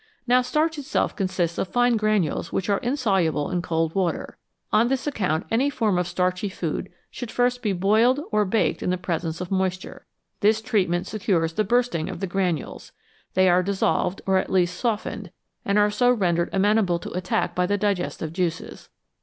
Now starch itself con sists of fine granules which are insoluble in cold water. On this account any form of starchy food should first be boiled, or baked in the presence of moisture. This treat ment secures the bursting of the granules ; they are dis solved or at least softened, and are so rendered amenable to attack by the digestive juices.